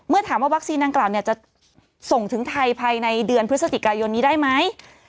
ถามว่าวัคซีนดังกล่าวจะส่งถึงไทยภายในเดือนพฤศจิกายนนี้ได้ไหม